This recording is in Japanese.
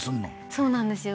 そうなんですよ